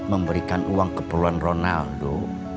memberikan uang keperluan ronaldo